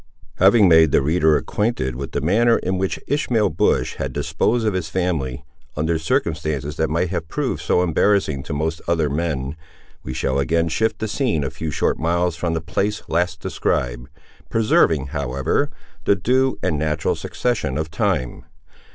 Having made the reader acquainted with the manner in which Ishmael Bush had disposed of his family, under circumstances that might have proved so embarrassing to most other men, we shall again shift the scene a few short miles from the place last described, preserving, however, the due and natural succession of time.